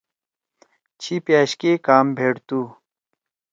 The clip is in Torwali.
چھی پأشکے کام بھیڑتُو؟